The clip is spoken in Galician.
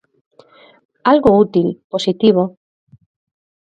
Algo útil, positivo.